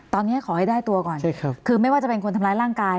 ตอนนี้ขอให้ได้ตัวก่อนคือไม่ว่าจะเป็นคนทำร้ายร่างกาย